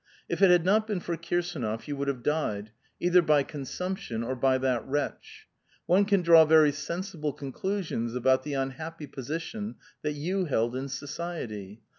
"If it had not been for Kir sdnof, you would have died, either by consumption or by that wretch. One can draw very sensible conclusions about the unhappy position that you held in society.